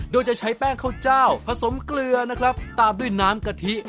โดยจะใช้แป้งข้าวเจ้าผสมเกลือนะครับตามด้วยน้ำกะทิ